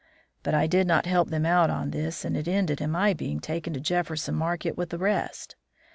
But I did not help them out on this, and it ended in my being taken to Jefferson Market with the rest.